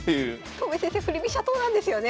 戸辺先生振り飛車党なんですよね。